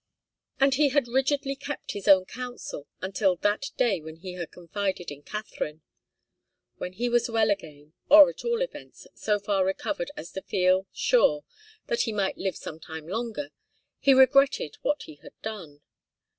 And he had rigidly kept his own counsel until that day when he had confided in Katharine. When he was well again, or, at all events, so far recovered as to feel sure that he might live some time longer, he regretted what he had done.